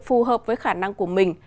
phù hợp với khả năng của mình